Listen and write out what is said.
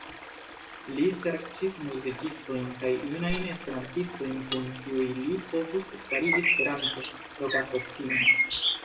Li serĉis muzikistojn kaj junajn Esperantistojn, kun kiuj li povus starigi Esperanto-rokasocion.